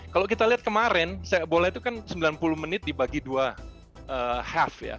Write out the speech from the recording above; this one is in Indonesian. kalau kita lihat kemarin bola itu kan sembilan puluh menit dibagi dua half ya